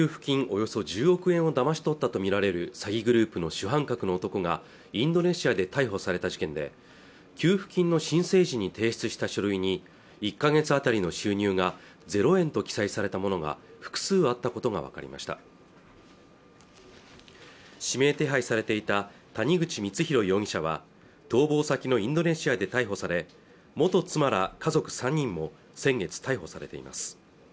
およそ１０億円をだまし取ったと見られる詐欺グループの主犯格の男がインドネシアで逮捕された事件で給付金の申請時に提出した書類に１か月あたりの収入が０円と記載されたものが複数あったことが分かりました指名手配されていた谷口光弘容疑者は逃亡先のインドネシアで逮捕され元妻ら家族３人も先月逮捕されています